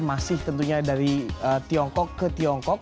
masih tentunya dari tiongkok ke tiongkok